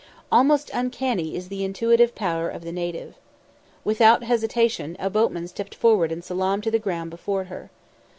Almost uncanny is the intuitive power of the native. Without hesitation, a boatman stepped forward and salaamed to the ground before her.